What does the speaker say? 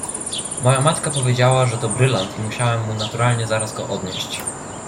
"Moja matka powiedziała, że to brylant i musiałam mu naturalnie zaraz go odnieść."